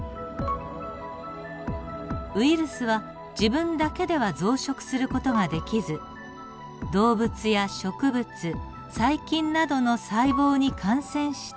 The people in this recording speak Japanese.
ウイルスは自分だけでは増殖する事ができず動物や植物細菌などの細胞に感染して増殖します。